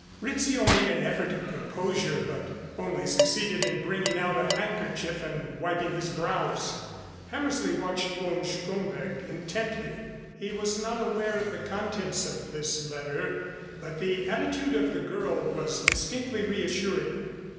Rizzio made an effort at composure but only succeeded in bringing out a handkerchief and wiping his brows. Hammersley watched von Stromberg intently. He was not aware of the contents of this letter but the attitude of the girl was distinctly reassuring.